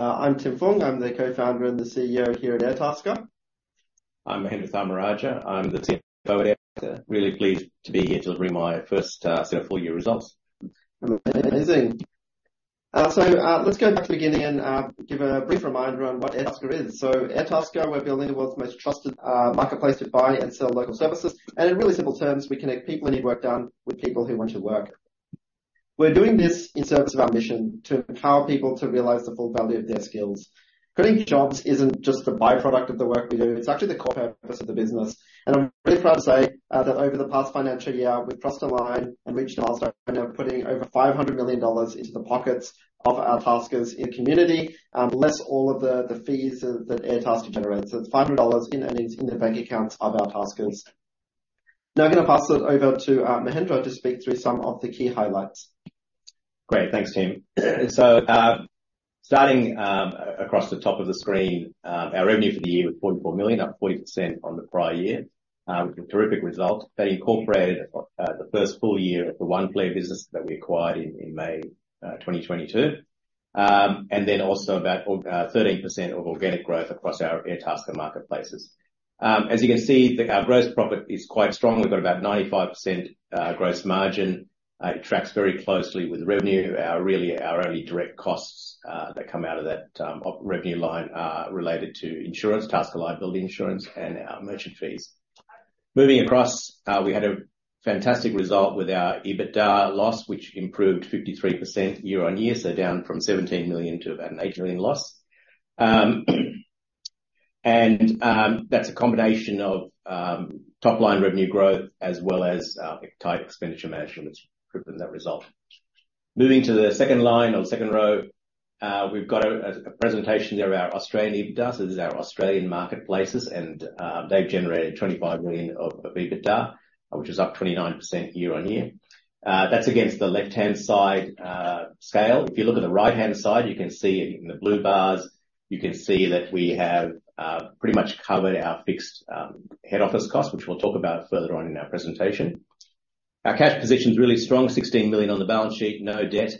I'm Tim Fung. I'm the Co-founder and the CEO here at Airtasker. I'm Mahendra Tharmarajah. I'm the CFO at Airtasker. Really pleased to be here delivering my first set of full year results. Amazing. So, let's go back to the beginning and give a brief reminder on what Airtasker is. So Airtasker, we're building the world's most trusted marketplace to buy and sell local services. And in really simple terms, we connect people who need work done with people who want to work. We're doing this in service of our mission to empower people to realize the full value of their skills. Creating jobs isn't just the byproduct of the work we do, it's actually the core purpose of the business. And I'm really proud to say that over the past financial year, tasks online and regional, putting over 500 million dollars into the pockets of our Taskers in community, less all of the fees that Airtasker generates. So it's 500 million dollars in earnings in the bank accounts of our Taskers. Now, I'm gonna pass it over to Mahendra to speak through some of the key highlights. Great. Thanks, Tim. So, starting across the top of the screen, our revenue for the year was 44 million, up 40% on the prior year, with a terrific result. That incorporated the first full year of the Oneflare business that we acquired in May 2022. And then also about 13% of organic growth across our Airtasker marketplaces. As you can see, our gross profit is quite strong. We've got about 95% gross margin. It tracks very closely with revenue. Our only direct costs that come out of that revenue line are related to insurance, task liability insurance, and merchant fees. Moving across, we had a fantastic result with our EBITDA loss, which improved 53% year-on-year, so down from 17 million to about an 8 million loss. And, that's a combination of top-line revenue growth as well as tight expenditure management that's improved that result. Moving to the second line or the second row, we've got a presentation there of our Australian EBITDA. So this is our Australian marketplaces, and they've generated 25 million of EBITDA, which is up 29% year-on-year. That's against the left-hand side scale. If you look at the right-hand side, you can see in the blue bars, you can see that we have pretty much covered our fixed head office cost, which we'll talk about further on in our presentation. Our cash position is really strong, 16 million on the balance sheet, no debt.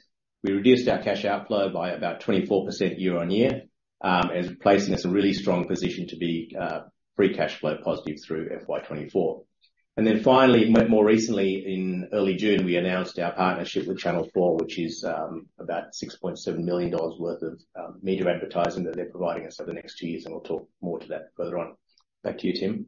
We reduced our cash outflow by about 24% year-on-year, and placing us in a really strong position to be free cash flow positive through FY 2024. And then finally, more recently, in early June, we announced our partnership with Channel 4, which is about 6.7 million dollars worth of media advertising that they're providing us over the next two years, and we'll talk more to that further on. Back to you, Tim.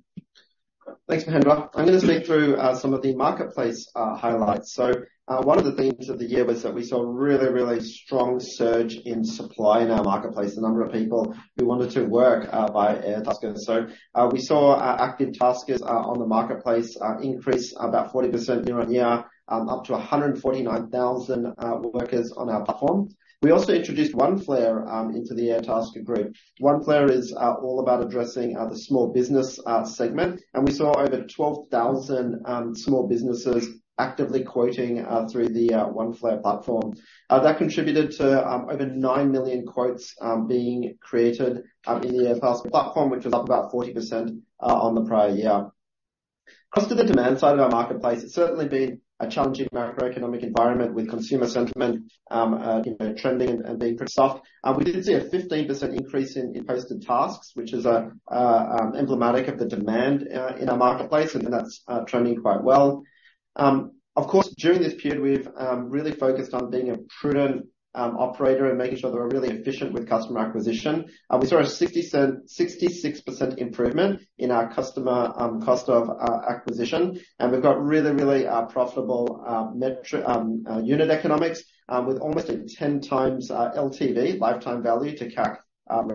Thanks, Mahendra. I'm gonna speak through some of the marketplace highlights. So, one of the themes of the year was that we saw a really, really strong surge in supply in our marketplace, the number of people who wanted to work by Airtasker. So, we saw our active Taskers on the marketplace increase about 40% year-on-year, up to 149,000 workers on our platform. We also introduced Oneflare into the Airtasker group. Oneflare is all about addressing the small business segment, and we saw over 12,000 small businesses actively quoting through the Oneflare platform. That contributed to over 9 million quotes being created in the Airtasker platform, which was up about 40% on the prior year. Across to the demand side of our marketplace, it's certainly been a challenging macroeconomic environment with consumer sentiment, you know, trending and being pretty soft. We did see a 15% increase in posted tasks, which is emblematic of the demand in our marketplace, and that's trending quite well. Of course, during this period, we've really focused on being a prudent operator and making sure that we're really efficient with customer acquisition. We saw a 60%, 66% improvement in our customer acquisition cost, and we've got really profitable unit economics with almost a 10 times LTV, lifetime value to CAC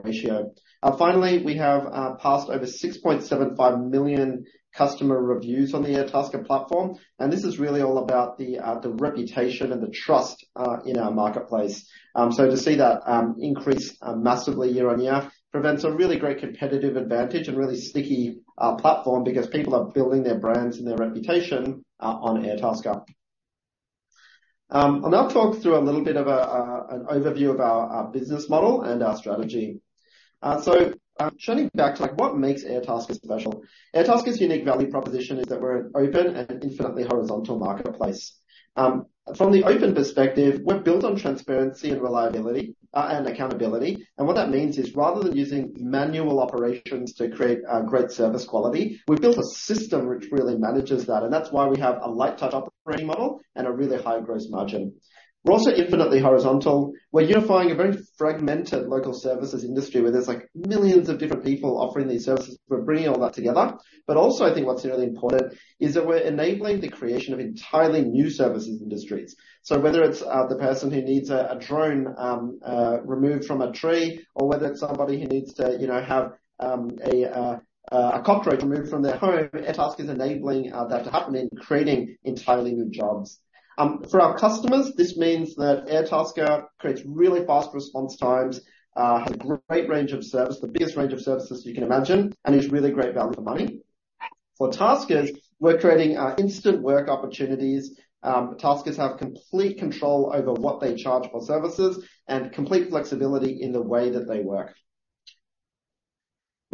ratio. Finally, we have passed over 6.75 million customer reviews on the Airtasker platform, and this is really all about the reputation and the trust in our marketplace. So to see that increase massively year-on-year presents a really great competitive advantage and really sticky platform because people are building their brands and their reputation on Airtasker. I'll now talk through a little bit of an overview of our business model and our strategy. So, turning back to, like, what makes Airtasker special? Airtasker's unique value proposition is that we're an open and infinitely horizontal marketplace. From the open perspective, we're built on transparency and reliability and accountability. And what that means is, rather than using manual operations to create great service quality, we've built a system which really manages that, and that's why we have a light touch operating model and a really high gross margin. We're also infinitely horizontal. We're unifying a very fragmented local services industry, where there's, like, millions of different people offering these services. We're bringing all that together. But also, I think what's really important is that we're enabling the creation of entirely new services industries. So whether it's the person who needs a drone removed from a tree, or whether it's somebody who needs to, you know, have a cockroach removed from their home, Airtasker is enabling that to happen and creating entirely new jobs. For our customers, this means that Airtasker creates really fast response times, has a great range of services, the biggest range of services you can imagine, and is really great value for money. For Taskers, we're creating instant work opportunities. Taskers have complete control over what they charge for services and complete flexibility in the way that they work.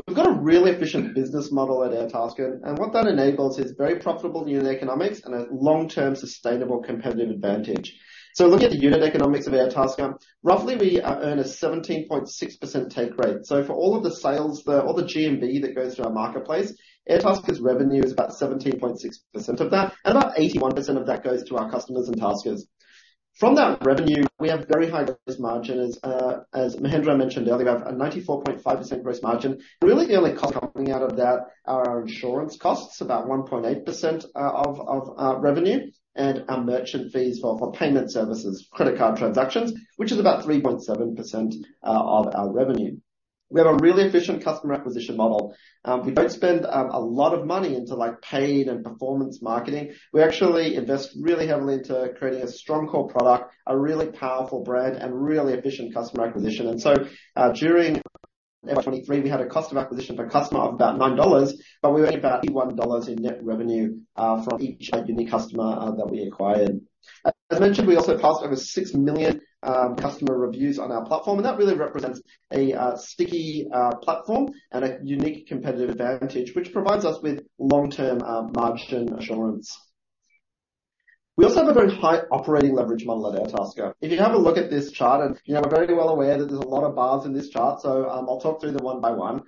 We've got a really efficient business model at Airtasker, and what that enables is very profitable unit economics and a long-term sustainable competitive advantage. So looking at the unit economics of Airtasker, roughly we earn a 17.6% take rate. So for all of the sales, all the GMV that goes to our marketplace, Airtasker's revenue is about 17.6% of that, and about 81% of that goes to our customers and Taskers. From that revenue, we have very high gross margin. As Mahendra mentioned earlier, we have a 94.5% gross margin. Really, the only cost coming out of that are our insurance costs, about 1.8%, of revenue, and our merchant fees for payment services, credit card transactions, which is about 3.7%, of our revenue. We have a really efficient customer acquisition model. We don't spend a lot of money into, like, paid and performance marketing. We actually invest really heavily into creating a strong core product, a really powerful brand, and really efficient customer acquisition. And so, during FY 2023, we had a cost of acquisition per customer of about 9 dollars, but we made about 81 dollars in net revenue, from each unique customer, that we acquired. As mentioned, we also passed over 6 million customer reviews on our platform, and that really represents a sticky platform and a unique competitive advantage, which provides us with long-term margin assurance. We also have a very high operating leverage model at Airtasker. If you have a look at this chart, and we are very well aware that there's a lot of bars in this chart, so I'll talk through them one by one.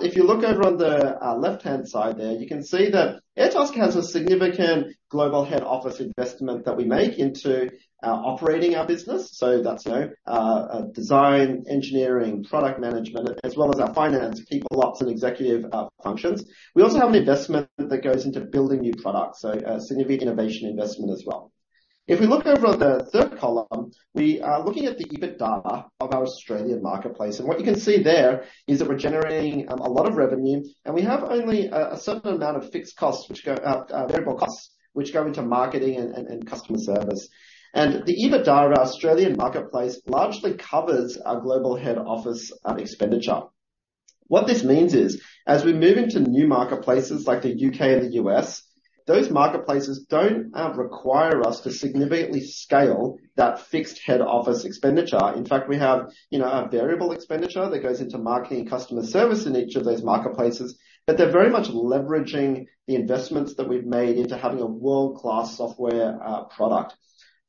If you look over on the left-hand side there, you can see that Airtasker has a significant global head office investment that we make into operating our business. So that's, you know, design, engineering, product management, as well as our finance, people ops, and executive functions. We also have an investment that goes into building new products, so a significant innovation investment as well. If we look over on the third column, we are looking at the EBITDA of our Australian marketplace, and what you can see there is that we're generating a lot of revenue, and we have only a certain amount of fixed costs which go out variable costs, which go into marketing and customer service. The EBITDA Australian marketplace largely covers our global head office expenditure. What this means is, as we move into new marketplaces like the U.K. and the U.S., those marketplaces don't require us to significantly scale that fixed head office expenditure. In fact, we have, you know, a variable expenditure that goes into marketing and customer service in each of those marketplaces, but they're very much leveraging the investments that we've made into having a world-class software product.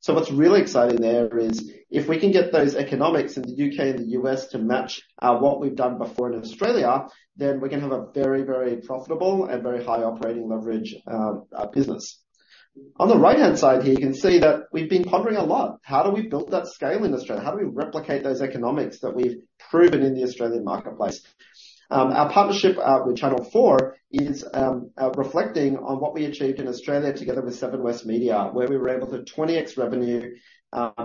So what's really exciting there is if we can get those economics in the U.K. and the U.S. to match what we've done before in Australia, then we're going to have a very, very profitable and very high operating leverage business. On the right-hand side here, you can see that we've been pondering a lot. How do we build that scale in Australia? How do we replicate those economics that we've proven in the Australian marketplace? Our partnership with Channel 4 is reflecting on what we achieved in Australia together with Seven West Media, where we were able to 20x revenue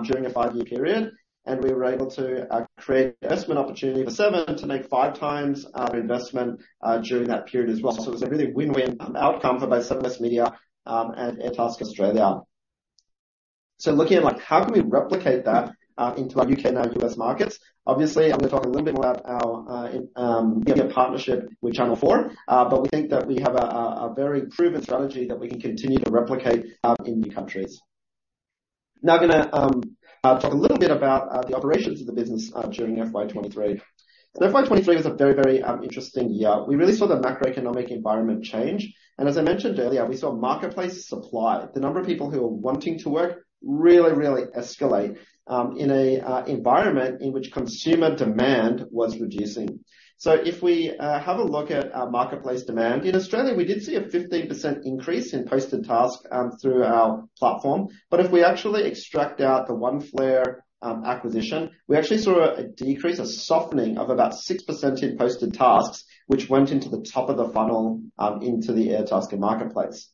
during a five-year period, and we were able to create investment opportunity for Seven to make 5x investment during that period as well. So it was a really win-win outcome for both Seven West Media and Airtasker Australia. So looking at, like, how can we replicate that into the U.K. and U.S. markets? Obviously, I'm going to talk a little bit more about our partnership with Channel 4, but we think that we have a very proven strategy that we can continue to replicate in new countries. Now, I'm gonna talk a little bit about the operations of the business during FY 2023. So FY 2023 was a very, very interesting year. We really saw the macroeconomic environment change, and as I mentioned earlier, we saw marketplace supply. The number of people who are wanting to work really, really escalate in an environment in which consumer demand was reducing. So if we have a look at our marketplace demand, in Australia, we did see a 15% increase in posted tasks through our platform. But if we actually extract out the Oneflare acquisition, we actually saw a decrease, a softening of about 6% in posted tasks, which went into the top of the funnel into the Airtasker marketplace.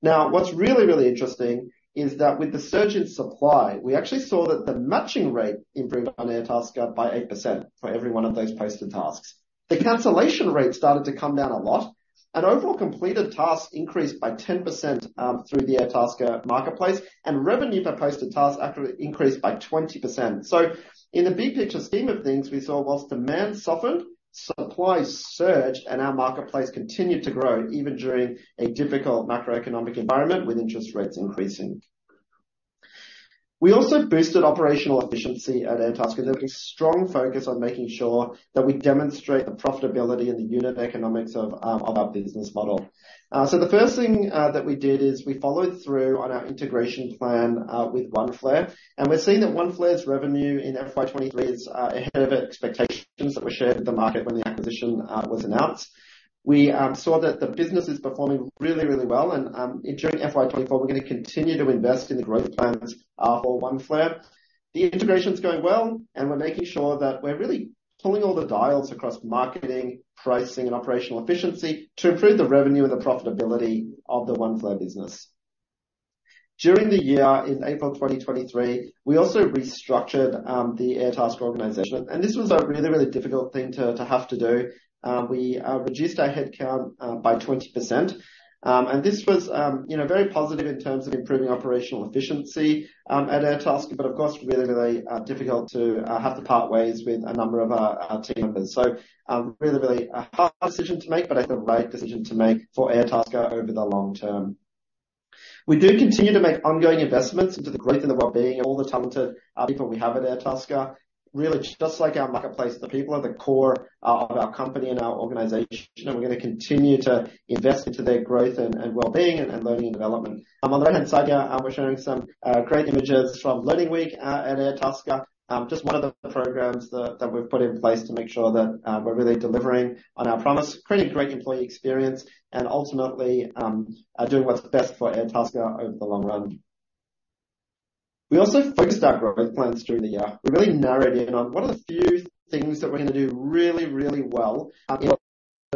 Now, what's really, really interesting is that with the surge in supply, we actually saw that the matching rate improved on Airtasker by 8% for every one of those posted tasks. The cancellation rate started to come down a lot, and overall completed tasks increased by 10% through the Airtasker marketplace, and revenue per posted task actually increased by 20%. So in the big picture scheme of things, we saw while demand softened, supply surged, and our marketplace continued to grow even during a difficult macroeconomic environment with interest rates increasing. We also boosted operational efficiency at Airtasker, with a strong focus on making sure that we demonstrate the profitability and the unit economics of our business model. So the first thing that we did is we followed through on our integration plan with Oneflare, and we're seeing that Oneflare's revenue in FY 2023 is ahead of expectations that were shared with the market when the acquisition was announced. We saw that the business is performing really, really well, and during FY 2024, we're going to continue to invest in the growth plans for Oneflare. The integration's going well, and we're making sure that we're really pulling all the dials across marketing, pricing, and operational efficiency to improve the revenue and the profitability of the Oneflare business. During the year, in April 2023, we also restructured the Airtasker organization, and this was a really, really difficult thing to have to do. We reduced our headcount by 20%. This was, you know, very positive in terms of improving operational efficiency at Airtasker, but of course, really, really difficult to have to part ways with a number of our team members. So, really, really a hard decision to make, but I think the right decision to make for Airtasker over the long term. We do continue to make ongoing investments into the growth and the well-being of all the talented people we have at Airtasker. Really, just like our marketplace, the people are the core of our company and our organization, and we're going to continue to invest into their growth and well-being and learning and development. On the left-hand side here, we're showing some great images from Learning Week at Airtasker. Just one of the programs that we've put in place to make sure that we're really delivering on our promise, creating a great employee experience and ultimately doing what's best for Airtasker over the long run. We also focused our growth plans through the year. We really narrowed in on what are the few things that we're going to do really, really well, in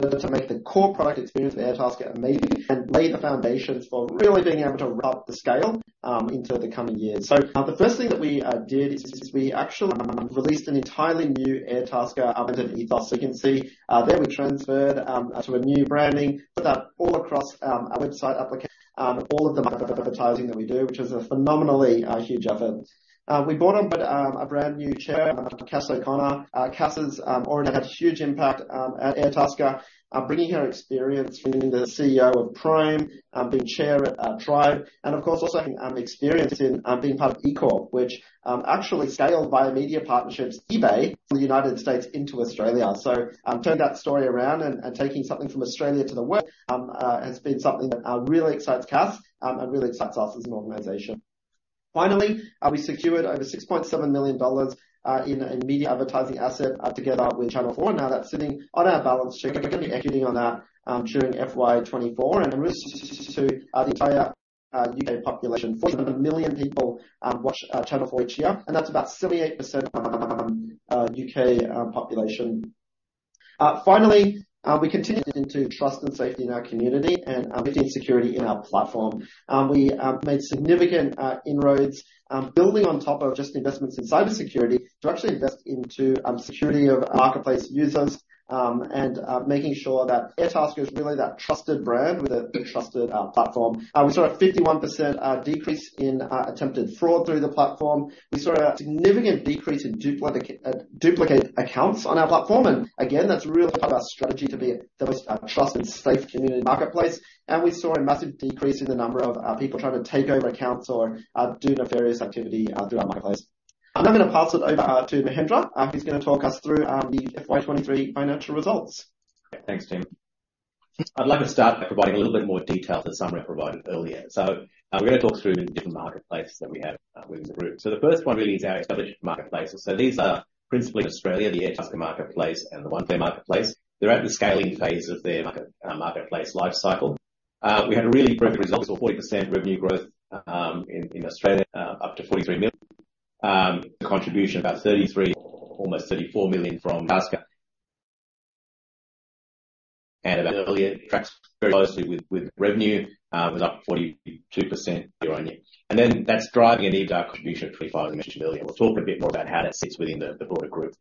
order to make the core product experience of Airtasker amazing, and lay the foundations for really being able to ramp up the scale, into the coming years. So, the first thing that we did is we actually released an entirely new Airtasker, as you can see. Then we transferred to a new branding, put that all across our website application, all of the marketing that we do, which is a phenomenally huge effort. We brought on board a brand new Chair, Cass O'Connor. Cass has already had a huge impact at Airtasker, bringing her experience being the CEO of Prime, being Chair at Tribe and, of course, also experience in being part of eCorp, which actually scaled via media partnerships, eBay, for the United States into Australia. So, turn that story around and taking something from Australia to the world has been something that really excites Cass and really excites us as an organization. Finally, we secured over 6.7 million dollars in a media advertising asset together with Channel Four. Now, that's sitting on our balance sheet, we're going to be executing on that during FY 2024, and really to the entire U.K. population. Four million people watch Channel 4 each year, and that's about 78% UK population. Finally, we continued into trust and safety in our community and security in our platform. We made significant inroads building on top of just investments in cybersecurity to actually invest into security of our marketplace users and making sure that Airtasker is really that trusted brand with a trusted platform. We saw a 51% decrease in attempted fraud through the platform. We saw a significant decrease in duplicate accounts on our platform, and again, that's really part of our strategy to be a trusted trust and safe community marketplace. We saw a massive decrease in the number of people trying to take over accounts or do nefarious activity through our marketplace. I'm now going to pass it over to Mahendra. He's going to talk us through the FY23 financial results. Thanks, Tim. I'd like to start by providing a little bit more detail that Tim provided earlier. So we're going to talk through the different marketplaces that we have within the group. So the first one really is our established marketplaces. So these are principally Australia, the Airtasker marketplace, and the Oneflare marketplace. They're at the scaling phase of their marketplace life cycle. We had a really great results of 40% revenue growth in Australia up to 43 million. Contribution about 33 million, almost 34 million from Airtasker. And earlier tracks very closely with revenue was up 42% year-on-year. And then that's driving an EBITDA contribution of 25, as I mentioned earlier. We'll talk a bit more about how that sits within the broader group.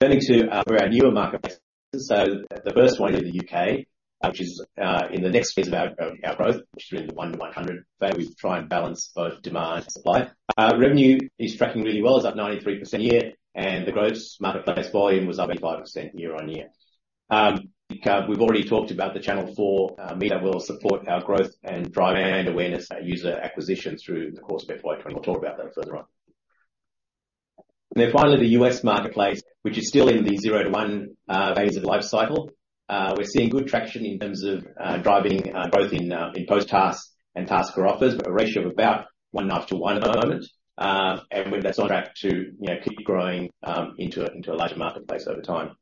Turning to our newer marketplace. So the first one in the U.K., which is in the next phase of our growth, which is really the 1 to 100, where we try and balance both demand and supply. Revenue is tracking really well, is up 93% year-on-year, and the gross marketplace volume was up 5% year-on-year. We've already talked about the Channel 4 that will support our growth and drive brand awareness, user acquisition through the course of FY 2024. We'll talk about that further on. Then finally, the U.S. marketplace, which is still in the zero to one phase of the life cycle. We're seeing good traction in terms of driving both in post tasks and Tasker offers, but a ratio of about 1/2 to 1 at the moment. And with that on track to, you know, keep growing, into a larger marketplace over time.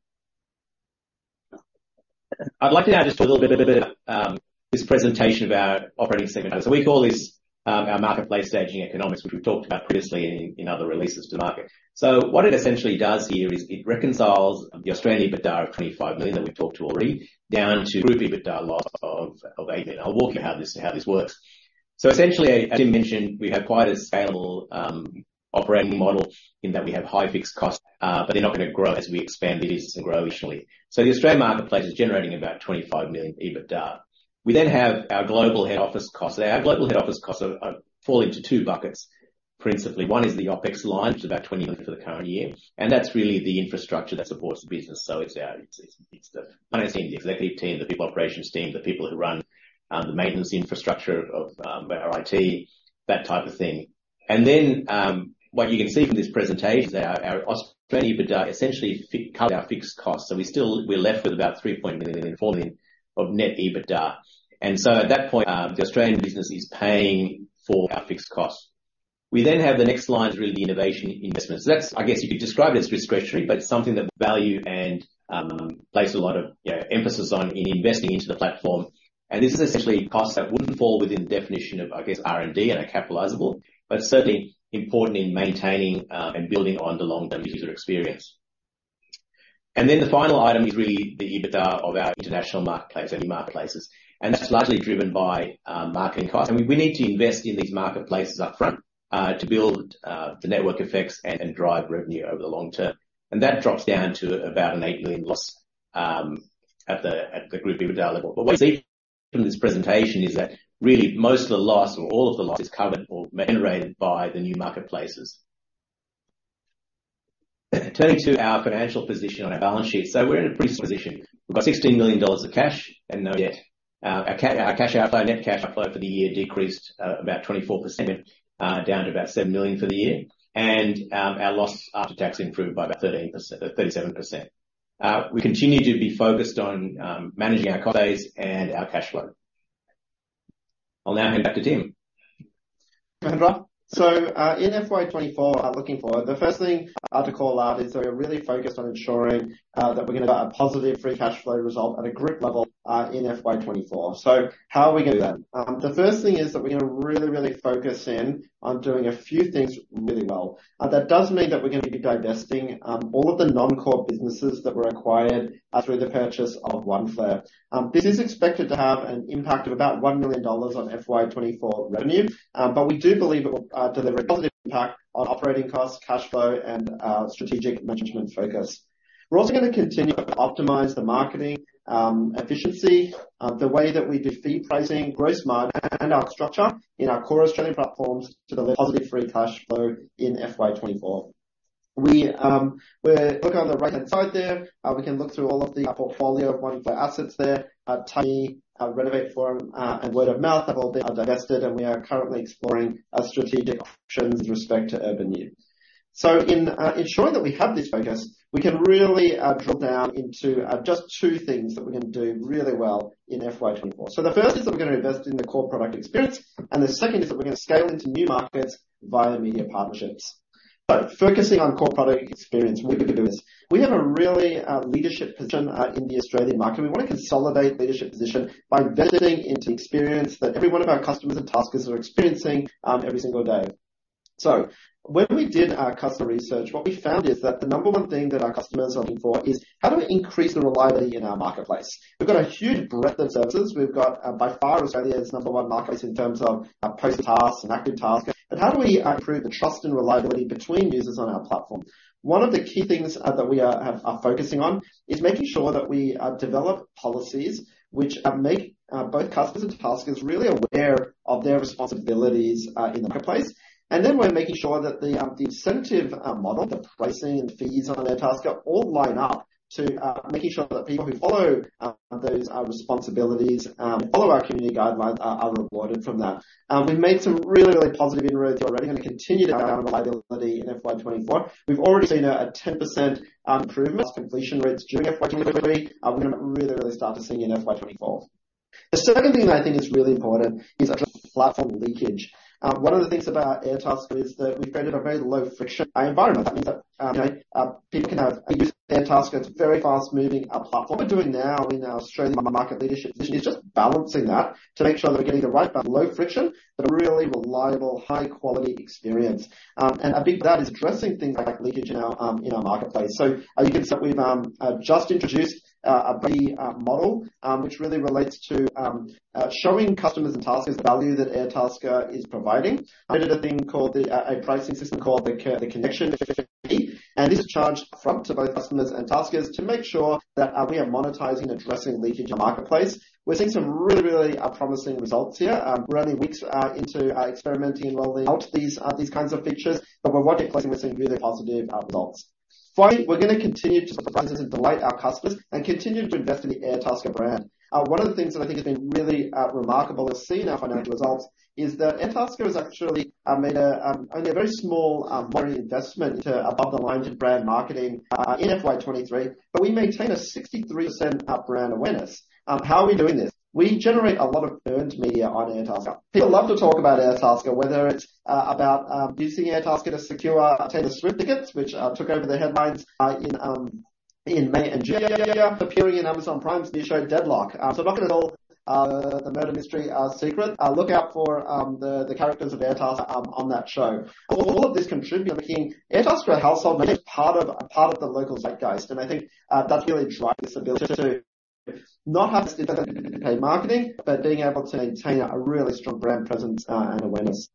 I'd like to now just a little bit this presentation of our operating segment. So we call this, our marketplace staging economics, which we've talked about previously in other releases to market. So what it essentially does here is it reconciles the Australian EBITDA of 25 million that we've talked to already, down to group EBITDA loss of 8 million. I'll walk you how this works. So essentially, as Tim mentioned, we have quite a scalable operating model in that we have high fixed costs, but they're not going to grow as we expand the business and grow initially. So the Australian marketplace is generating about 25 million EBITDA. We then have our global head office costs. Our global head office costs fall into two buckets, principally. One is the OpEx line, which is about 20 million for the current year, and that's really the infrastructure that supports the business. So it's the financing, the executive team, the people, operations team, the people who run the maintenance infrastructure of our IT, that type of thing. And then, what you can see from this presentation is our Australian EBITDA essentially covers our fixed costs. So we're left with about 3 million-4 million of net EBITDA. And so at that point, the Australian business is paying for our fixed costs. We then have the next line is really the innovation investment. So that's, I guess you could describe it as discretionary, but something that value and place a lot of, you know, emphasis on in investing into the platform. And this is essentially costs that wouldn't fall within the definition of, I guess, R&D and are capitalizable, but certainly important in maintaining and building on the long-term user experience. And then the final item is really the EBITDA of our international marketplace, any marketplaces, and that's largely driven by marketing costs. And we need to invest in these marketplaces upfront to build the network effects and drive revenue over the long term. And that drops down to about an 8 million loss at the group EBITDA level. What you see from this presentation is that really most of the loss or all of the loss is covered or generated by the new marketplaces. Turning to our financial position on our balance sheet. We're in a pretty solid position. We've got 16 million dollars of cash and no debt. Our cash outflow, net cash outflow for the year decreased about 24%, down to about 7 million for the year, and our loss after tax improved by 37%. We continue to be focused on managing our costs and our cash flow. I'll now hand back to Tim. Thank you, Hendra. In FY 2024, looking forward, the first thing to call out is that we're really focused on ensuring that we're going to have a positive free cash flow result at a group level in FY 2024. So how are we going to do that? The first thing is that we're going to really, really focus in on doing a few things really well. That does mean that we're going to be divesting all of the non-core businesses that were acquired through the purchase of Oneflare. This is expected to have an impact of about 1 million dollars on FY 2024 revenue, but we do believe it will deliver a positive impact on operating costs, cash flow, and strategic management focus. We're also going to continue to optimize the marketing efficiency, the way that we do fee pricing, growth squads, and our structure in our core Australian platforms to deliver positive free cash flow in FY 2024. We're looking on the right-hand side there, we can look through all of the portfolio of Oneflare assets there. The Renovate Forum and Word of Mouth have all been divested, and we are currently exploring strategic options with respect to UrbanYou. So in ensuring that we have this focus, we can really drill down into just two things that we're going to do really well in FY 2024. So the first is that we're going to invest in the core product experience, and the second is that we're going to scale into new markets via media partnerships. But focusing on core product experience, we're going to do this. We have a really, leadership position, in the Australian market. We want to consolidate leadership position by investing into experience that every one of our customers and Taskers are experiencing, every single day. So when we did our customer research, what we found is that the number one thing that our customers are looking for is: how do we increase the reliability in our marketplace? We've got a huge breadth of services. We've got, by far, Australia's number one marketplace in terms of, post tasks and active tasks, but how do we, improve the trust and reliability between users on our platform? One of the key things that we are focusing on is making sure that we develop policies which make both customers and Taskers really aware of their responsibilities in the marketplace. And then we're making sure that the incentive model, the pricing and fees on Airtasker all line up to making sure that people who follow those responsibilities follow our community guidelines are rewarded from that. We've made some really, really positive inroads already, and we continue to have reliability in FY 2024. We've already seen a 10% improvement completion rates during FY 2023, and we're going to really, really start to see in FY 2024. The second thing that I think is really important is address platform leakage. One of the things about Airtasker is that we've created a very low-friction environment. That means that, you know, people can have use Airtasker. It's a very fast-moving platform. What we're doing now in our Australian market leadership position is just balancing that to make sure that we're getting the right low friction, but a really reliable, high-quality experience. A big part of that is addressing things like leakage in our marketplace. So you can see we've just introduced a model which really relates to showing customers and Taskers the value that Airtasker is providing. We did a thing called a pricing system called the Connection, and this is charged upfront to both customers and Taskers to make sure that we are monetizing, addressing leakage in the marketplace. We're seeing some really, really promising results here. We're only weeks into experimenting and rolling out these kinds of features, but we're working closely. We're seeing really positive results. Finally, we're going to continue to delight our customers and continue to invest in the Airtasker brand. One of the things that I think has been really remarkable to see in our financial results is that Airtasker has actually made only a very small moderate investment into above the line to brand marketing in FY 2023, but we maintain a 63% up brand awareness. How are we doing this? We generate a lot of earned media on Airtasker. People love to talk about Airtasker, whether it's about using Airtasker to secure our Taylor Swift tickets, which took over the headlines in May and June. Appearing in Amazon Prime's new show, Deadloch. So not going to all the murder mystery secret. Look out for the characters of Airtasker on that show. All of this contributes to making Airtasker a household name, part of, a part of the local zeitgeist, and I think that really drives the ability to not have to pay marketing, but being able to maintain a really strong brand presence and awareness.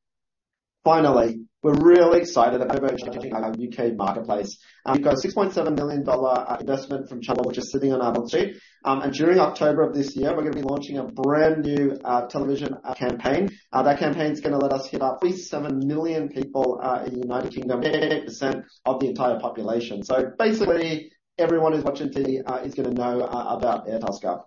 Finally, we're really excited about launching our UK marketplace. We've got a 6.7 million dollar investment from Channel 4, which is sitting on our balance sheet. During October of this year, we're going to be launching a brand-new television campaign. That campaign's going to let us hit up at least 7 million people in the United Kingdom, 8% of the entire population. So basically, everyone who's watching TV is going to know about Airtasker.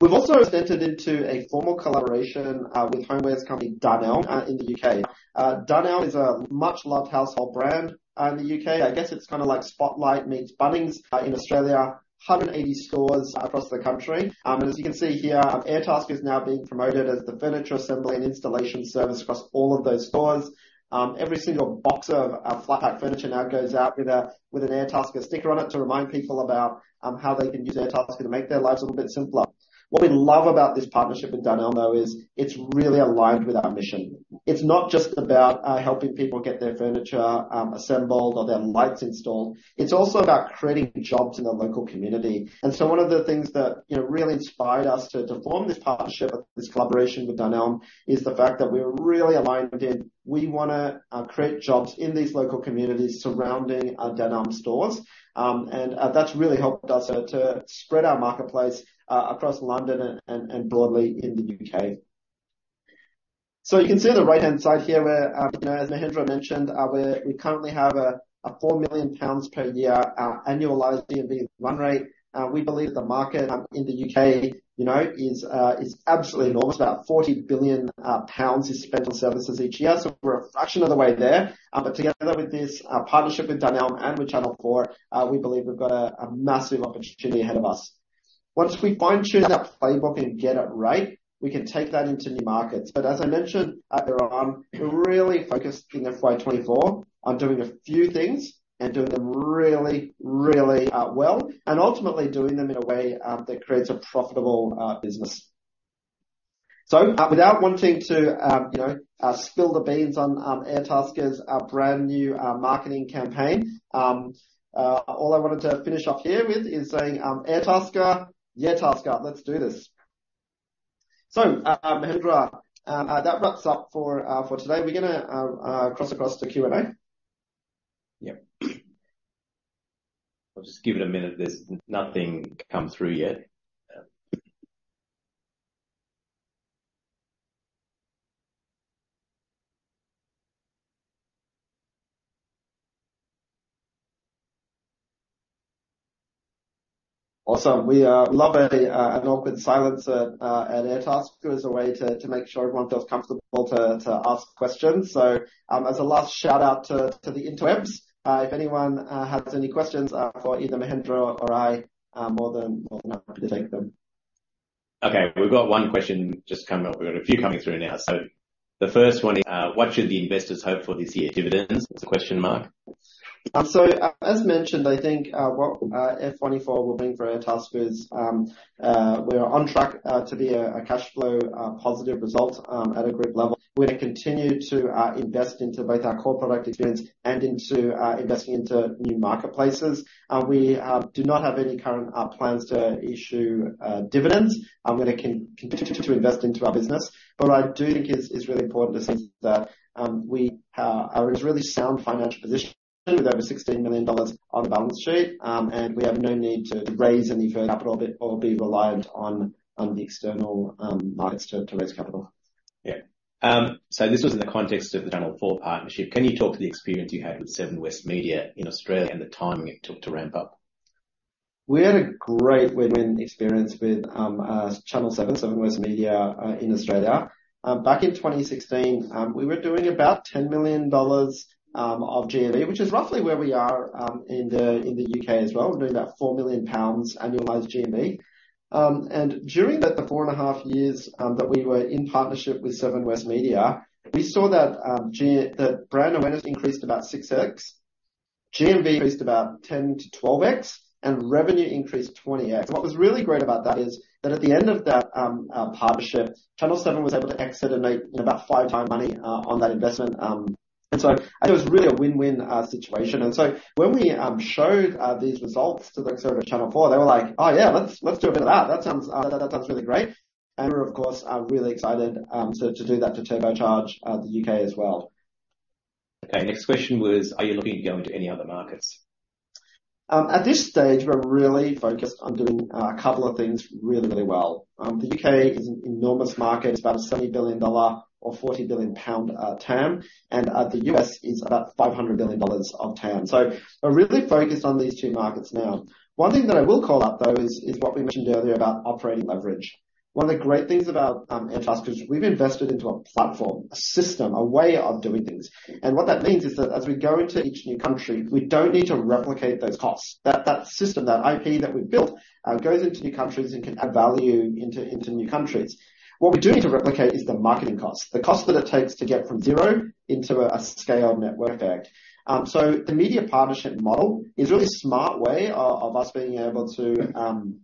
We've also entered into a formal collaboration with homewares company, Dunelm, in the U.K. Dunelm is a much-loved household brand in the U.K. I guess it's kind of like Spotlight meets Bunnings in Australia, 180 stores across the country. As you can see here, Airtasker is now being promoted as the furniture assembly and installation service across all of those stores. Every single box of flat-pack furniture now goes out with an Airtasker sticker on it to remind people about how they can use Airtasker to make their lives a little bit simpler. What we love about this partnership with Dunelm, though, is it's really aligned with our mission. It's not just about helping people get their furniture assembled or their lights installed. It's also about creating jobs in the local community. And so one of the things that, you know, really inspired us to form this partnership, this collaboration with Dunelm, is the fact that we're really aligned in, we wanna create jobs in these local communities surrounding our Dunelm stores. And that's really helped us to spread our marketplace across London and broadly in the U.K. So you can see on the right-hand side here, where, as Mahendra mentioned, we currently have a 4 million pounds per year annualized GMV run rate. We believe the market in the U.K., you know, is absolutely enormous. About 40 billion pounds is spent on services each year, so we're a fraction of the way there. But together with this partnership with Dunelm and with Channel Four, we believe we've got a massive opportunity ahead of us. Once we fine-tune that playbook and get it right, we can take that into new markets. But as I mentioned earlier on, we're really focused in FY 2024 on doing a few things and doing them really, really, well, and ultimately doing them in a way that creates a profitable business. So, without wanting to, you know, spill the beans on Airtasker's brand new marketing campaign, all I wanted to finish off here with is saying, Airtasker, yeah, tasker, let's do this! So, Mahendra, that wraps up for for today. We're gonna cross across to Q&A. Yep. I'll just give it a minute. There's nothing come through yet. Awesome. We, we love a, an awkward silence at, at Airtasker as a way to, to make sure everyone feels comfortable to, to ask questions. So, as a last shout-out to, to the interwebs, if anyone, has any questions, for either Mahendra or I, I'm more than, more than happy to take them. Okay, we've got one question just coming up. We've got a few coming through now. So the first one is, "What should the investors hope for this year? Dividends?" There's a question mark. So, as mentioned, I think what FY 2024 will mean for Airtasker is we're on track to be a cash flow positive result at a group level. We're gonna continue to invest into both our core product experience and into investing into new marketplaces. We do not have any current plans to issue dividends. I'm gonna continue to invest into our business. What I do think is really important to see is that we are in a really sound financial position with over 16 million dollars on the balance sheet, and we have no need to raise any further capital or be reliant on the external markets to raise capital. Yeah. So this was in the context of the Channel 4 partnership. Can you talk to the experience you had with Seven West Media in Australia and the timing it took to ramp up? We had a great win-win experience with Channel 7, Seven West Media in Australia. Back in 2016, we were doing about 10 million dollars of GMV, which is roughly where we are in the UK as well. We're doing about 4 million pounds annualized GMV. And during that 4.5 years that we were in partnership with Seven West Media, we saw that brand awareness increased about 6x, GMV increased about 10-12x, and revenue increased 20x. What was really great about that is that at the end of that partnership, Channel 7 was able to exit and make, you know, about 5x money on that investment. So I think it was really a win-win situation. And so when we showed these results to the folks over at Channel 4, they were like: "Oh, yeah, let's do a bit of that. That sounds really great." And we're, of course, really excited to do that, to turbocharge the U.K. as well. Okay, next question was: Are you looking to go into any other markets? At this stage, we're really focused on doing a couple of things really, really well. The U.K. is an enormous market. It's about a $70 billion or 40 billion pound TAM, and the U.S. is about $500 billion of TAM. So we're really focused on these two markets now. One thing that I will call out, though, is what we mentioned earlier about operating leverage. One of the great things about Airtasker, we've invested into a platform, a system, a way of doing things, and what that means is that as we go into each new country, we don't need to replicate those costs. That system, that IP that we've built goes into new countries and can add value into new countries. What we do need to replicate is the marketing costs, the cost that it takes to get from zero into a scaled network effect. So the media partnership model is really a smart way of us being able to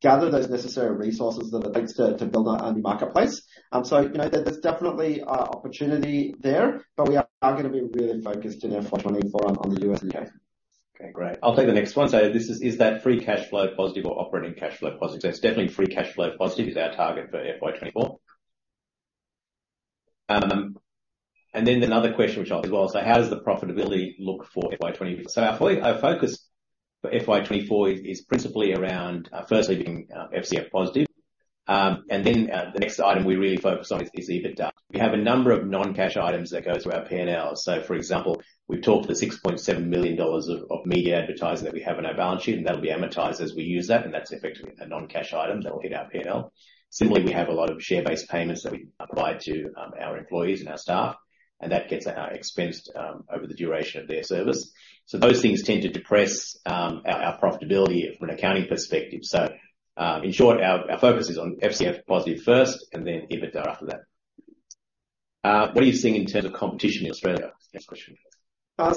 gather those necessary resources that it takes to build our marketplace. So, you know, there's definitely opportunity there, but we are gonna be really focused in FY24 on the U.S. and U.K. Okay, great. I'll take the next one. So this is: Is that free cash flow positive or operating cash flow positive? So it's definitely free cash flow positive is our target for FY 2024. And then another question which I'll as well, so: How does the profitability look for FY 2024? So our focus for FY 2024 is principally around, first leaving, FCF positive. And then, the next item we really focus on is EBITDA. We have a number of non-cash items that go through our P&L. So, for example, we've talked the 6.7 million dollars of media advertising that we have on our balance sheet, and that'll be amortized as we use that, and that's effectively a non-cash item that will hit our P&L. Similarly, we have a lot of share-based payments that we provide to our employees and our staff, and that gets expensed over the duration of their service. So those things tend to depress our profitability from an accounting perspective. So, in short, our focus is on FCF positive first and then EBITDA after that. What are you seeing in terms of competition in Australia? Next question.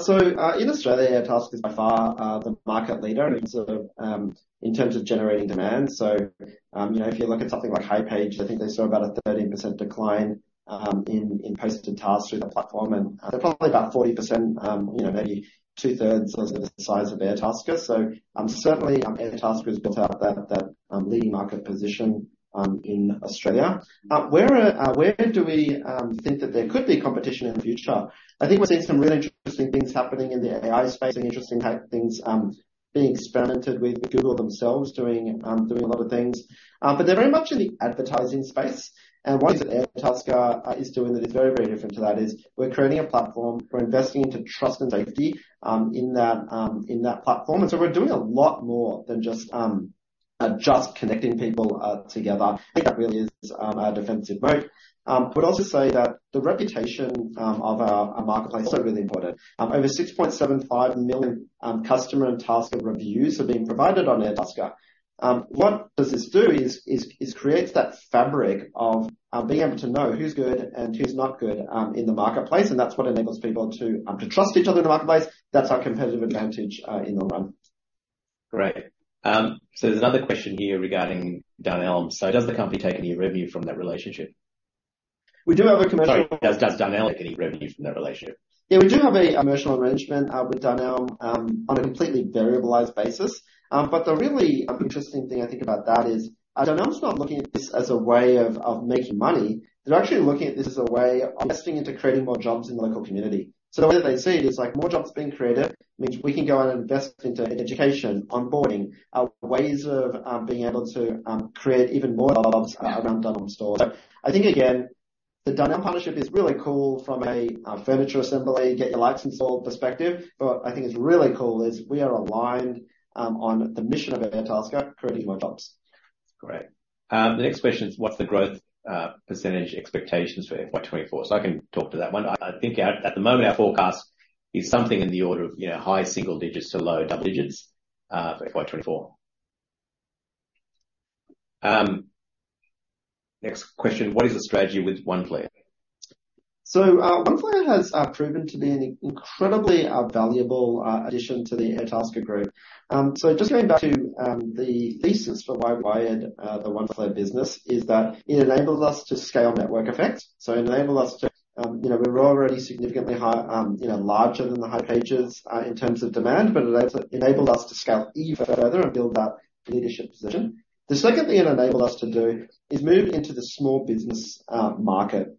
So, in Australia, Airtasker is by far the market leader in sort of in terms of generating demand. So, you know, if you look at something like hipages, I think they saw about a 13% decline in posted tasks through the platform, and they're probably about 40%, you know, maybe two-thirds of the size of Airtasker. So, certainly, Airtasker has built out that leading market position in Australia. Where do we think that there could be competition in the future? I think we're seeing some really interesting things happening in the AI space and interesting type of things being experimented with Google themselves doing a lot of things. But they're very much in the advertising space, and what is it Airtasker is doing that is very, very different to that is we're creating a platform. We're investing into trust and safety in that platform, and so we're doing a lot more than just connecting people together, I think that really is a defensive moat. But also say that the reputation of our marketplace is also really important. Over 6.75 million customer and tasker reviews have been provided on Airtasker. What does this do is creates that fabric of being able to know who's good and who's not good in the marketplace, and that's what enables people to trust each other in the marketplace. That's our competitive advantage in the long run. Great. There's another question here regarding Dunelm. Does the company take any revenue from that relationship? We do have a commercial- Sorry, does Dunelm make any revenue from that relationship? Yeah, we do have a commercial arrangement with Dunelm on a completely variabilized basis. But the really interesting thing I think about that is, Dunelm's not looking at this as a way of making money. They're actually looking at this as a way of investing into creating more jobs in the local community. So the way they see it, it's like more jobs being created, means we can go out and invest into education, onboarding, ways of being able to create even more jobs around Dunelm stores. So I think, again, the Dunelm partnership is really cool from a furniture assembly, get your lights installed perspective, but I think it's really cool is we are aligned on the mission of Airtasker, creating more jobs. Great. The next question is, what's the growth percentage expectations for FY 2024? So I can talk to that one. I, I think at, at the moment, our forecast is something in the order of, you know, high single digits to low double digits for FY 2024. Next question: What is the strategy with Oneflare? Oneflare has proven to be an incredibly valuable addition to the Airtasker group. Just going back to the thesis for why we acquired the Oneflare business, is that it enables us to scale network effects. So enable us to, you know, we're already significantly higher, you know, larger than hipages in terms of demand, but it also enabled us to scale even further and build that leadership position. The second thing it enabled us to do is move into the small business market.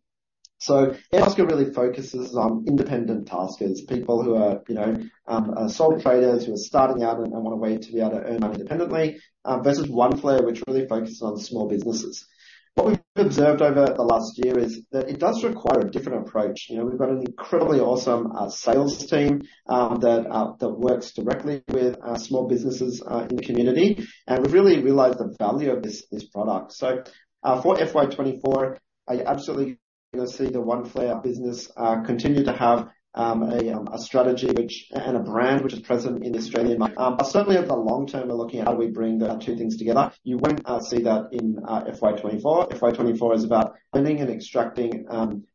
Airtasker really focuses on independent Taskers, people who are, you know, sole traders, who are starting out and want a way to be able to earn money independently, versus Oneflare, which really focuses on small businesses. What we've observed over the last year is that it does require a different approach. You know, we've got an incredibly awesome sales team that works directly with small businesses in the community, and we really realize the value of this product. So, for FY 2024, I absolutely gonna see the Oneflare business continue to have a strategy which and a brand which is present in the Australian market. But certainly at the long term, we're looking at how do we bring the two things together. You won't see that in FY 2024. FY 2024 is about spending and extracting,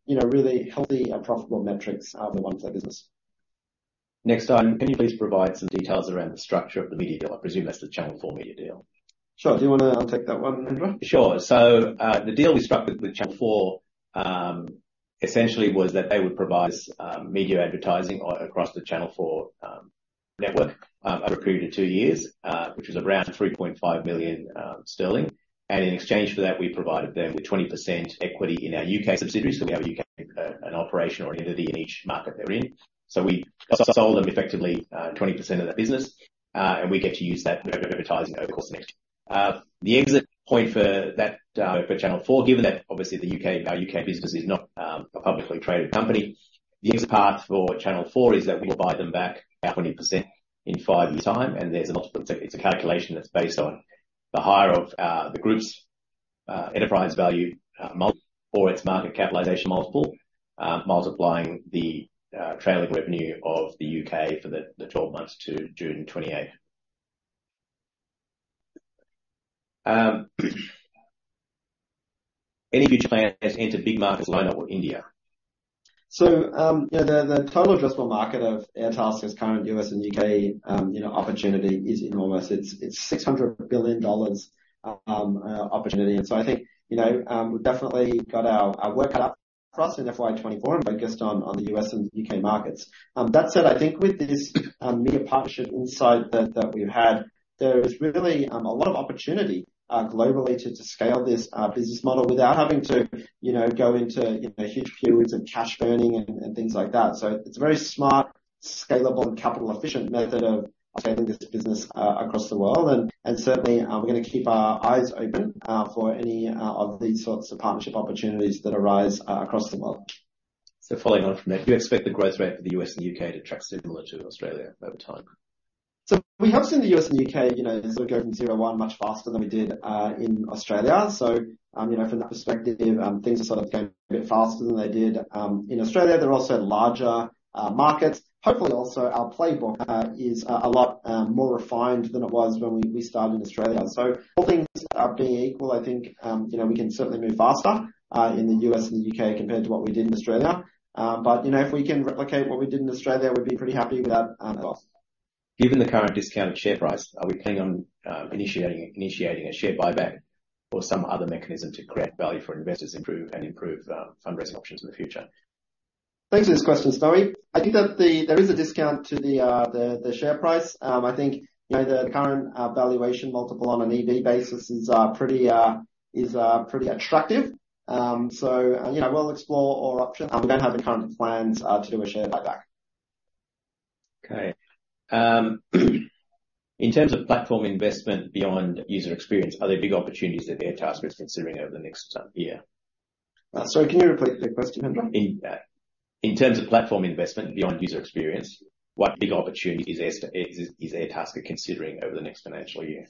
you know, really healthy and profitable metrics out of the Oneflare business. Next item: Can you please provide some details around the structure of the media deal? I presume that's the Channel 4 media deal? Sure. Do you wanna take that one? Sure. So, the deal we struck with Channel 4, essentially was that they would provide media advertising across the Channel 4 network over a period of two years, which is around 3.5 million sterling. And in exchange for that, we provided them with 20% equity in our U.K. subsidiaries. So we have a U.K., an operation or an entity in each market they're in. So we sold them effectively, 20% of the business, and we get to use that for advertising over the course of next year. The exit point for that, for Channel 4, given that obviously the U.K., our U.K. business is not a publicly traded company, the exit path for Channel 4 is that we will buy them back our 20% in five years' time, and there's an option. It's a calculation that's based on the higher of, the group's, enterprise value, multiple or its market capitalization multiple, multiplying the, trailing revenue of the U.K. for the, the 12 months to June 28. Any big plans to enter big markets like India? So, you know, the total addressable market of Airtasker's current U.S. and U.K., you know, opportunity is enormous. It's, it's $600 billion opportunity. So I think, you know, we've definitely got our, our work cut out for us in FY 2024, and focused on, on the U.S. and U.K. markets. That said, I think with this, media partnership insight that, that we've had, there is really, a lot of opportunity, globally to, to scale this, business model without having to, you know, go into, you know, huge periods of cash burning and, and things like that. So it's a very smart, scalable, and capital-efficient method of scaling this business, across the world. Certainly, we're gonna keep our eyes open for any of these sorts of partnership opportunities that arise across the world. Following on from that, do you expect the growth rate for the U.S. and U.K. to track similar to Australia over time? So we have seen the U.S. and U.K., you know, sort of go from zero to one much faster than we did in Australia. So, you know, from that perspective, things are sort of going a bit faster than they did in Australia. They're also larger markets. Hopefully, also, our playbook is a lot more refined than it was when we started in Australia. So all things being equal, I think, you know, we can certainly move faster in the U.S. and U.K. compared to what we did in Australia. But, you know, if we can replicate what we did in Australia, we'd be pretty happy with that, as well. Given the current discounted share price, are we planning on initiating a share buyback or some other mechanism to create value for investors and improve fundraising options in the future? Thanks for this question, Stewie. I think there is a discount to the share price. I think, you know, the current valuation multiple on an EV basis is pretty attractive. So, you know, we'll explore all options. I don't have the current plans to do a share buyback. Okay. In terms of platform investment beyond user experience, are there big opportunities that Airtasker is considering over the next year? Sorry, can you repeat the question, Mahendra? In terms of platform investment beyond user experience, what big opportunities is Airtasker considering over the next financial year?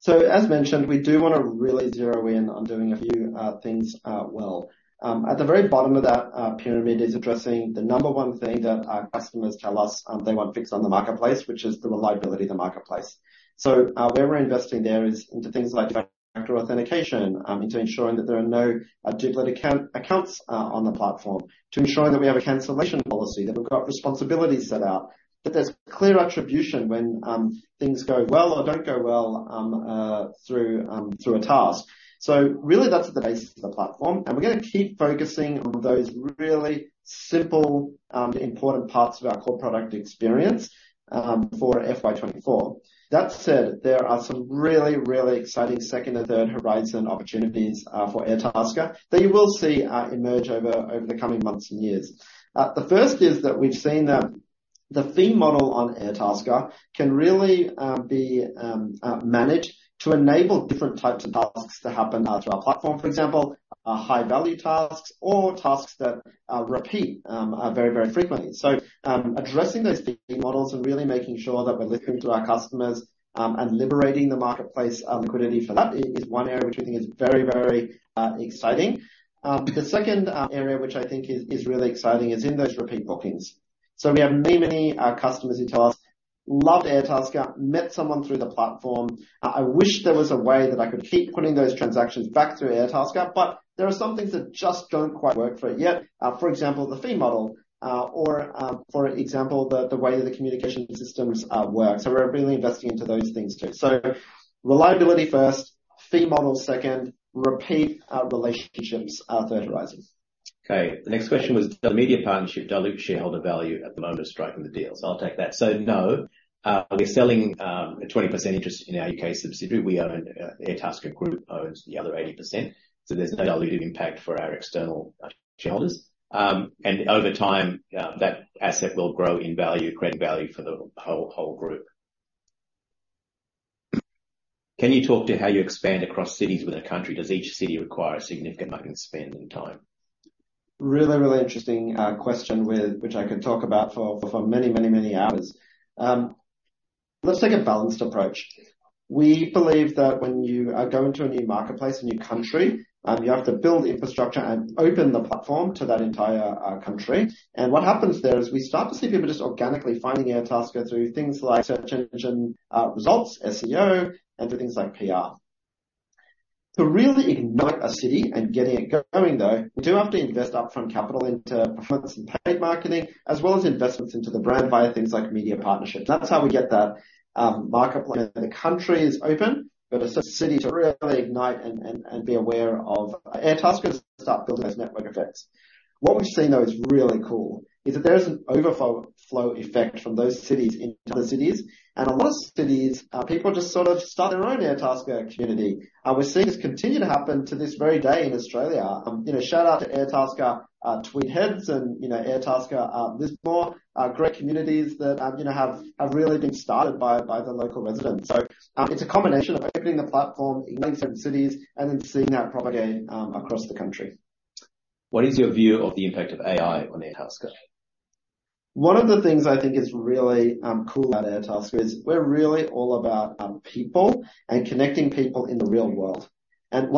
So as mentioned, we do want to really zero in on doing a few things well. At the very bottom of that pyramid is addressing the number one thing that our customers tell us they want fixed on the marketplace, which is the reliability of the marketplace. So, where we're investing there is into things like two-factor authentication, into ensuring that there are no duplicate accounts on the platform, to ensure that we have a cancellation policy, that we've got responsibilities set out, that there's clear attribution when things go well or don't go well, through a task. So really, that's the basis of the platform, and we're going to keep focusing on those really simple important parts of our core product experience for FY 2024. That said, there are some really, really exciting second or third horizon opportunities for Airtasker that you will see emerge over the coming months and years. The first is that we've seen that the fee model on Airtasker can really be managed to enable different types of tasks to happen through our platform. For example, high-value tasks or tasks that repeat very, very frequently. So, addressing those fee models and really making sure that we're listening to our customers and liberating the marketplace liquidity for that is one area which we think is very, very exciting. The second area, which I think is really exciting, is in those repeat bookings. So we have many, many customers who tell us, "Love Airtasker, met someone through the platform. I wish there was a way that I could keep putting those transactions back through Airtasker, but there are some things that just don't quite work for it yet. For example, the fee model, for example, the way that the communication systems work. So we're really investing into those things, too. So reliability first, fee model second, repeat relationships, third horizon. Okay. The next question was, does the media partnership dilute shareholder value at the moment of striking the deal? So I'll take that. So, no, we're selling a 20% interest in our UK subsidiary. We own, Airtasker Group owns the other 80%, so there's no dilutive impact for our external shareholders. And over time, that asset will grow in value, creating value for the whole, whole group. Can you talk to how you expand across cities with a country? Does each city require a significant spend and time? Really, really interesting question with which I could talk about for many hours. Let's take a balanced approach. We believe that when you go into a new marketplace, a new country, you have to build infrastructure and open the platform to that entire country. And what happens there is we start to see people just organically finding Airtasker through things like search engine results, SEO, and through things like PR. To really ignite a city and getting it going, though, we do have to invest upfront capital into performance and paid marketing, as well as investments into the brand via things like media partnerships. That's how we get that marketplace. The country is open, but it's a city to really ignite and be aware of Airtasker to start building those network effects. What we've seen, though, is really cool, is that there is an overflow effect from those cities into other cities, and a lot of cities, people just sort of start their own Airtasker community. And we're seeing this continue to happen to this very day in Australia. You know, shout out to Airtasker Tweed Heads and, you know, Airtasker Lismore. Great communities that, you know, have really been started by the local residents. So, it's a combination of opening the platform in certain cities and then seeing that propagate across the country. What is your view of the impact of AI on Airtasker? One of the things I think is really cool about Airtasker is we're really all about people and connecting people in the real world. And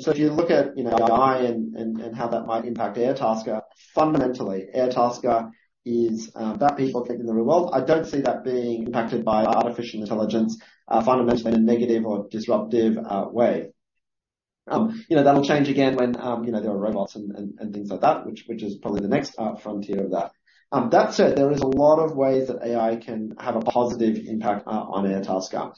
so if you look at, you know, AI and how that might impact Airtasker, fundamentally, Airtasker is about people connecting in the real world. I don't see that being impacted by artificial intelligence, fundamentally in a negative or disruptive way. You know, that'll change again when, you know, there are robots and things like that, which is probably the next frontier of that. That said, there is a lot of ways that AI can have a positive impact on Airtasker.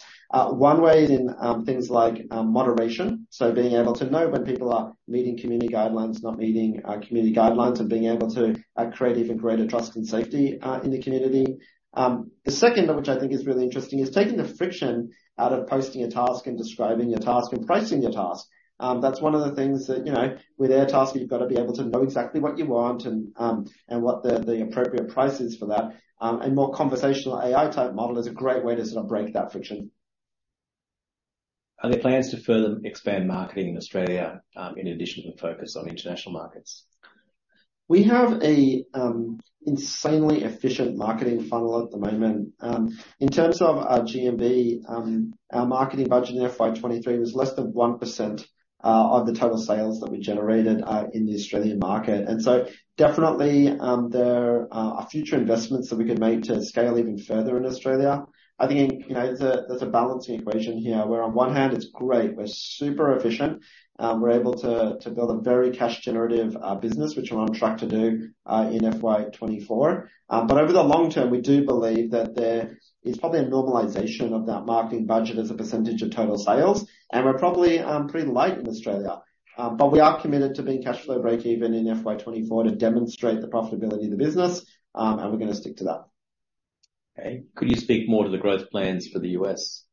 One way is in things like moderation. So being able to know when people are meeting community guidelines, not meeting community guidelines, and being able to create even greater trust and safety in the community. The second of which I think is really interesting, is taking the friction out of posting a task and describing your task and pricing your task. That's one of the things that, you know, with Airtasker, you've got to be able to know exactly what you want and what the appropriate price is for that. A more conversational AI-type model is a great way to sort of break that friction. Are there plans to further expand marketing in Australia, in addition to the focus on international markets? We have a insanely efficient marketing funnel at the moment. In terms of our GMV, our marketing budget in FY 2023 was less than 1% of the total sales that we generated in the Australian market. And so definitely, there are future investments that we could make to scale even further in Australia. I think, you know, there's a balancing equation here, where on one hand, it's great, we're super efficient, we're able to build a very cash generative business, which we're on track to do in FY 2024. But over the long term, we do believe that there is probably a normalization of that marketing budget as a percentage of total sales, and we're probably pretty light in Australia. We are committed to being cash flow break-even in FY 2024 to demonstrate the profitability of the business, and we're gonna stick to that. Okay. Could you speak more to the growth plans for the U.S.?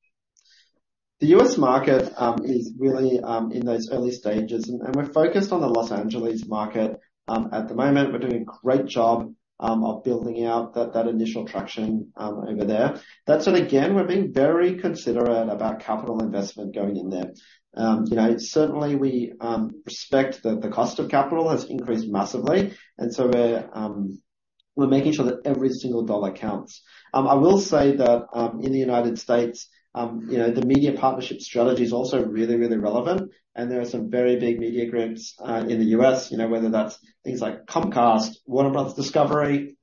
The U.S. market is really in those early stages, and we're focused on the Los Angeles market. At the moment, we're doing a great job of building out that initial traction over there. That said, again, we're being very considerate about capital investment going in there. You know, certainly we respect that the cost of capital has increased massively, and so we're making sure that every single dollar counts. I will say that in the United States, you know, the media partnership strategy is also really, really relevant, and there are some very big media groups in the U.S., you know, whether that's things like Comcast, Warner Bros. Discovery,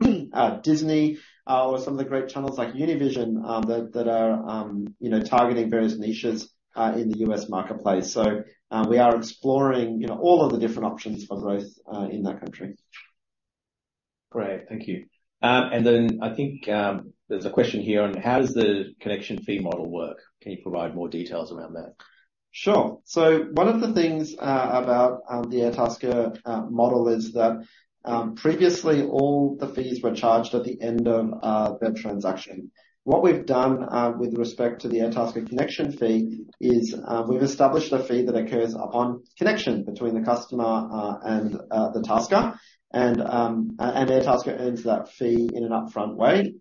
Disney, or some of the great channels like Univision, that are you know, targeting various niches in the U.S. marketplace. We are exploring, you know, all of the different options for growth in that country. Great. Thank you. And then I think, there's a question here on: how does the connection fee model work? Can you provide more details around that? Sure. So one of the things about the Airtasker model is that previously all the fees were charged at the end of the transaction. What we've done with respect to the Airtasker Connection Fee is we've established a fee that occurs upon connection between the customer and the tasker, and Airtasker earns that fee in an upfront way.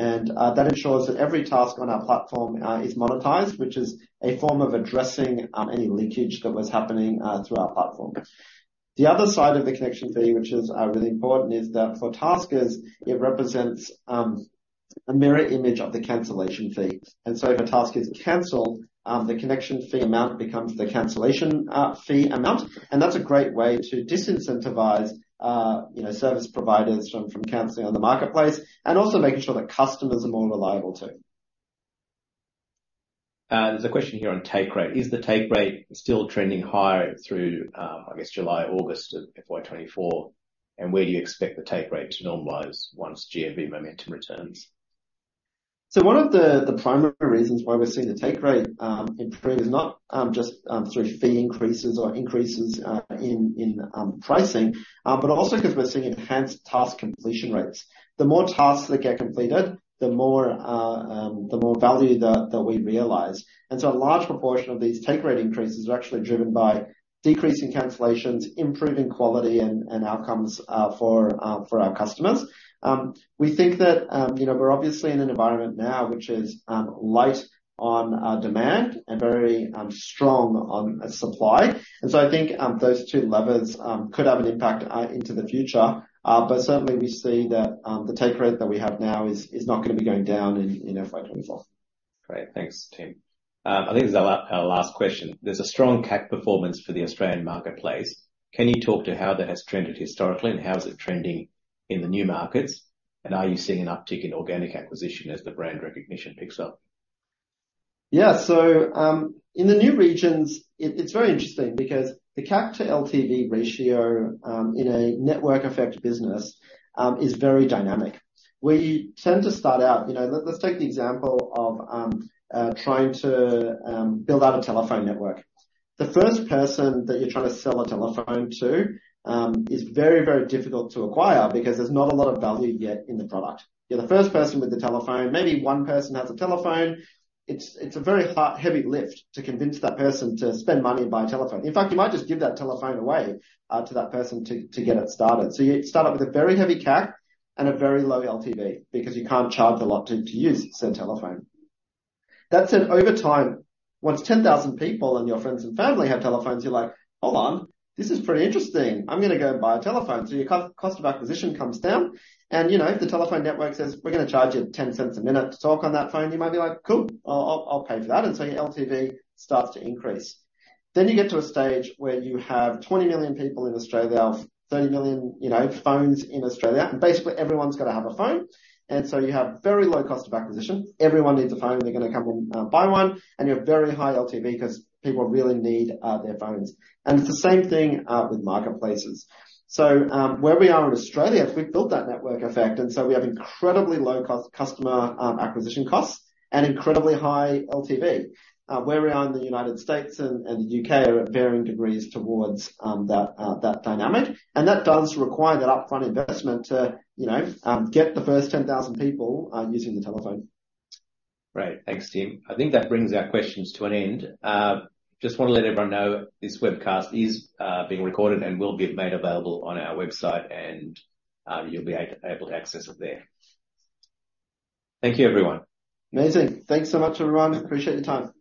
And that ensures that every task on our platform is monetized, which is a form of addressing any leakage that was happening through our platform. The other side of the Connection Fee, which is really important, is that for Taskers, it represents a mirror image of the cancellation fee. If a task is canceled, the Connection Fee amount becomes the cancellation fee amount, and that's a great way to disincentivize, you know, service providers from canceling on the marketplace, and also making sure that customers are more reliable, too. There's a question here on take rate. Is the take rate still trending higher through, I guess, July, August of FY 2024, and where do you expect the take rate to normalize once GMV momentum returns? So one of the primary reasons why we're seeing the take rate improve is not just through fee increases or increases in pricing, but also because we're seeing enhanced task completion rates. The more tasks that get completed, the more value that we realize. And so a large proportion of these take rate increases are actually driven by decreasing cancellations, improving quality and outcomes for our customers. We think that, you know, we're obviously in an environment now which is light on demand and very strong on supply. And so I think those two levers could have an impact into the future. Certainly we see that, the take rate that we have now is not gonna be going down in FY 2024. Great. Thanks, team. I think this is our last question: There's a strong CAC performance for the Australian marketplace. Can you talk to how that has trended historically, and how is it trending in the new markets? And are you seeing an uptick in organic acquisition as the brand recognition picks up? Yeah. So, in the new regions, it's very interesting because the CAC to LTV ratio, in a network effect business, almost, is very dynamic. We tend to start out... You know, let's take the example of, trying to, build out a telephone network. The first person that you're trying to sell a telephone to, is very, very difficult to acquire because there's not a lot of value yet in the product. You're the first person with a telephone. Maybe one person has a telephone. It's, it's a very hard, heavy lift to convince that person to spend money and buy a telephone. In fact, you might just give that telephone away, to that person to get it started. So you start off with a very heavy CAC and a very low LTV because you can't charge a lot to use said telephone. That said, over time, once 10,000 people and your friends and family have telephones, you're like: "Hold on, this is pretty interesting. I'm gonna go and buy a telephone." So your cost of acquisition comes down and, you know, if the telephone network says, "We're gonna charge you ten cents a minute to talk on that phone," you might be like: "Cool. I'll pay for that." And so your LTV starts to increase. Then you get to a stage where you have 20 million people in Australia, or 30 million, you know, phones in Australia, and basically everyone's gotta have a phone. And so you have very low cost of acquisition. Everyone needs a phone, they're gonna come and buy one, and you have very high LTV because people really need their phones. And it's the same thing with marketplaces. So, where we are in Australia, we've built that network effect, and so we have incredibly low cost customer acquisition costs and incredibly high LTV. Where we are in the United States and the UK are at varying degrees towards that dynamic, and that does require that upfront investment to, you know, get the first 10,000 people using the telephone. Great. Thanks, Tim. I think that brings our questions to an end. Just want to let everyone know, this webcast is being recorded and will be made available on our website, and you'll be able to access it there. Thank you, everyone. Amazing. Thanks so much, everyone. Appreciate your time.